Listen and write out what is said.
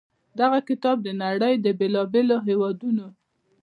دغه کتاب د نړۍ د بېلا بېلو هېوادونو